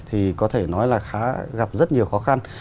thì có thể nói là gặp rất nhiều khó khăn